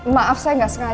maaf saya nggak sengaja